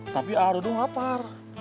tapi aduh dong lapar